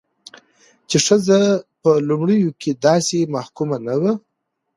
چې ښځه په لومړيو کې داسې محکومه نه وه،